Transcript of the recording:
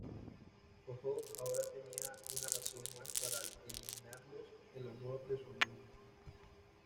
JoJo ahora tenía una razón más para eliminarlos, el honor de su amigo.